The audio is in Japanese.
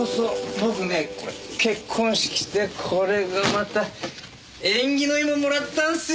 僕ね結婚式でこれがまた縁起のいいもんもらったんすよ！